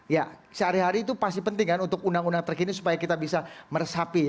ya sehari hari itu pasti penting kan untuk undang undang terkini supaya kita bisa meresapi